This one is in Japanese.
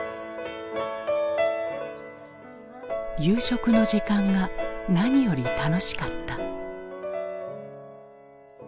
夕食の時間が何より楽しかった。